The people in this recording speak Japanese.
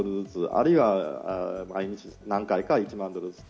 あるいは、一日何回か、１万ドルずつ。